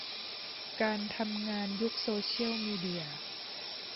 การทำงานยุคโซเซียลมีเดีย